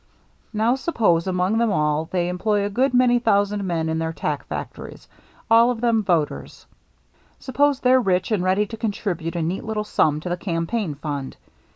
" Now suppose, among them all, they employ a good many thousand men in their tack factories, all of them voters. Suppose they're rich, and ready to contribute a neat little sum to the campaign fund.